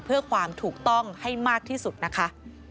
เพื่อความถูกต้องให้มากที่สุดนะคะ